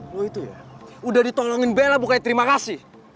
lo itu ya udah ditolongin bel bukannya terima kasih